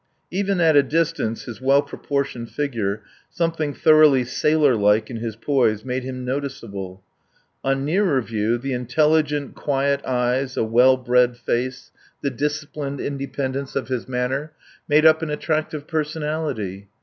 Even at a distance his well proportioned figure, something thoroughly sailor like in his poise, made him noticeable. On nearer view the intelligent, quiet eyes, a well bred face, the disciplined independence of his manner made up an attractive personality.